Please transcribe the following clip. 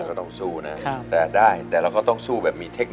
ก็ต้องสู้นะแต่ได้แต่เราก็ต้องสู้แบบมีเทคน